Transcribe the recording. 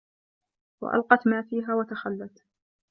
وَأَلقَت ما فيها وَتَخَلَّت